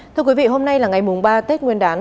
thưa quý vị hôm nay là ngày ba tết nguyên đán